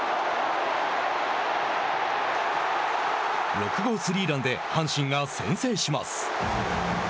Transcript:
６号スリーランで阪神が先制します。